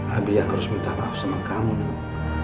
abi yang harus minta maaf sama kamu nak